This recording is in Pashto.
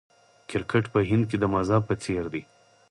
کرکټ په هند کې د مذهب په څیر دی.